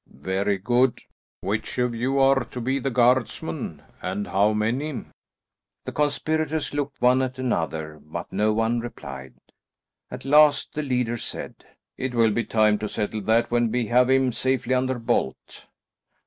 "Very good. Which of you are to be the guardsmen, and how many?" The conspirators looked one at another, but none replied. At last the leader said, "It will be time to settle that when we have him safely under bolt."